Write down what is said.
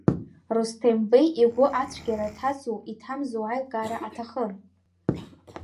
Русҭем Беи игәы ацәгьара ҭазу, иҭамзу аилкаара аҭахын.